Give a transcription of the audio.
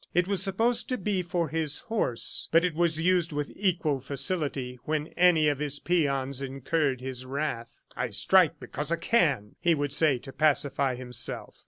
It was supposed to be for his horse, but it was used with equal facility when any of his peons incurred his wrath. "I strike because I can," he would say to pacify himself.